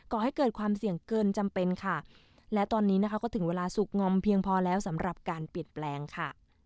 กให้เกิดความเสี่ยงเกินจำเป็นค่ะและตอนนี้นะคะก็ถึงเวลาสุกงอมเพียงพอแล้วสำหรับการเปลี่ยนแปลงค่ะ